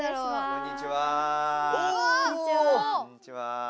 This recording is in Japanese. こんにちは。